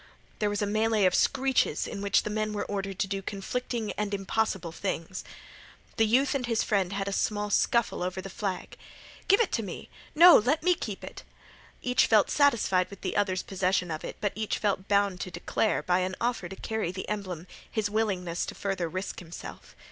There was a melée of screeches, in which the men were ordered to do conflicting and impossible things. The youth and his friend had a small scuffle over the flag. "Give it t' me!" "No, let me keep it!" Each felt satisfied with the other's possession of it, but each felt bound to declare, by an offer to carry the emblem, his willingness to further risk himself.